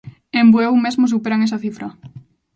En Bueu mesmo superan esa cifra.